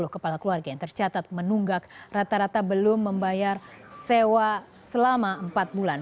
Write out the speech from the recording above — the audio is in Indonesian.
satu ratus empat puluh kepala keluarga yang tercatat menunggak rata rata belum membayar sewa selama empat bulan